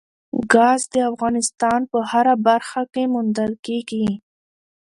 ګاز د افغانستان په هره برخه کې موندل کېږي.